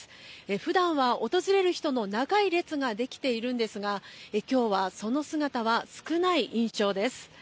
普段は、訪れる人の長い列ができているんですが今日はその姿は少ない印象です。